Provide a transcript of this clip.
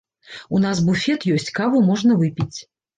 У нас буфет ёсць, каву можна выпіць.